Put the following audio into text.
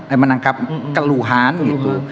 eh menangkap keluhan gitu